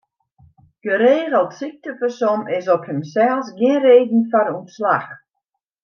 Geregeld syktefersom is op himsels gjin reden foar ûntslach.